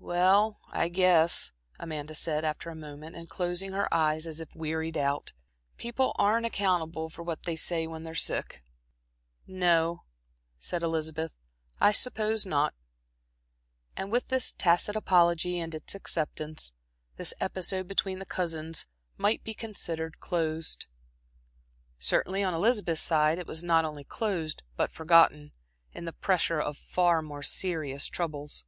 "Well, I guess," Amanda said, after a moment and closing her eyes as if wearied out, "people aren't accountable for what they say when they're sick." "No," said Elizabeth, "I suppose not." And with this tacit apology and its acceptance, this episode between the cousins might be considered closed. Certainly, on Elizabeth's side, it was not only closed, but forgotten, in the pressure of far more serious troubles.